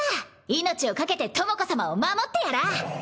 命を懸けて倫子様を守ってやらぁ！